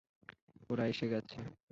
ওরা এসে গেছে।